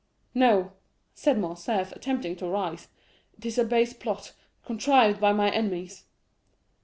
'—'No,' said Morcerf, attempting to rise, 'it is a base plot, contrived by my enemies.